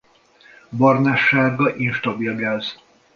Barnássárga instabil gáz.